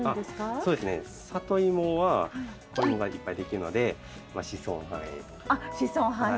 そうですねサトイモは子芋がいっぱいできるので子孫繁栄。